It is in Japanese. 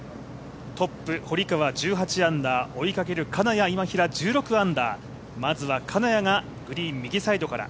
トップ、堀川１８アンダー、追いかける金谷・今平、１６アンダー、まずは金谷がグリーン右サイドから。